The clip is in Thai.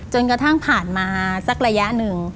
จนกระทั่งผ่านมาสักระยะหนึ่ง